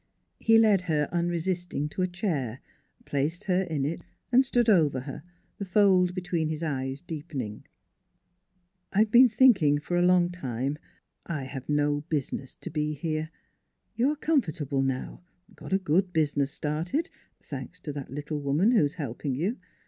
He led her unresisting to a chair, placed her in it, and stood over her, the fold between his eyes deepening. " I've been thinking for a long time I have no business to be here. You're comfortable now; got a good business started thanks to that little woman who's helping you.